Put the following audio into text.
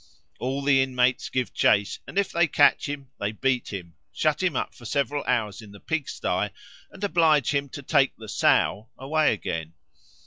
All the inmates give chase; and if they catch him they beat him, shut him up for several hours in the pig sty, and oblige him to take the "Sow" away again.